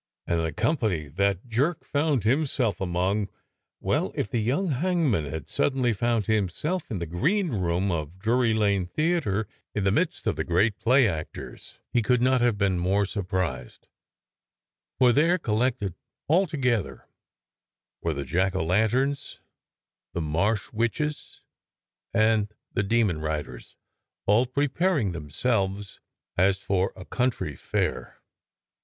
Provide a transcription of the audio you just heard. And the company that Jerk found himself among — well, if the young hangman had suddenly found himself in the 190 THE DEVIL'S TIRING HOUSE 191 greenroom of Drury Lane Theatre in the midst of the great play actors, he could not have been more sur prised, for therCj collected altogether, were the jack o' lanterns, the Marsh witches, and the demon riders, all preparing themselves as for a country fair.